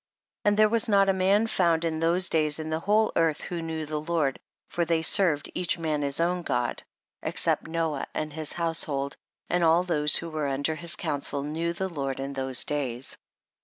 10. And there was not a man found in those days in the whole earth, who knew the Lord (for they served each man his own God) except Noah and his household, and all those who were under his counsel knew the Lord in those days.